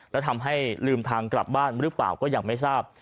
แล้วทำให้ลืมทางกลับบ้านหรือเปล่าก็ยังไม่ทราบ